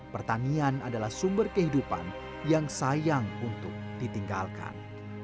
pertanian adalah sumber kehidupan yang sayang untuk ditinggalkan